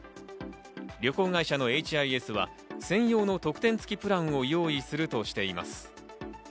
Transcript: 旅行会社のＨＩＳは専用の特典付きプランを用意するとしています。